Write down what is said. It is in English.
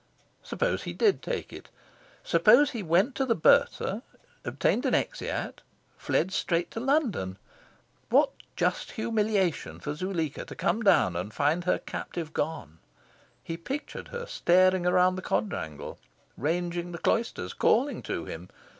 Suppose he did take it! Suppose he went to the Bursar, obtained an exeat, fled straight to London! What just humiliation for Zuleika to come down and find her captive gone! He pictured her staring around the quadrangle, ranging the cloisters, calling to him.